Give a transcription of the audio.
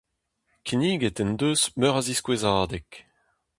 Kinniget en deus meur a ziskouezadeg.